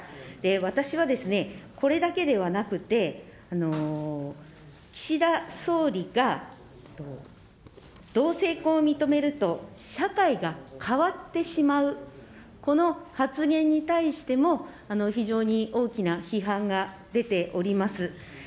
私はですね、これだけではなくて、岸田総理が同性婚を認めると社会が変わってしまう、この発言に対しても、非常に大きな批判が出ております。